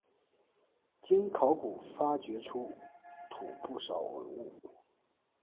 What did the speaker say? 经考古发掘出土不少文物。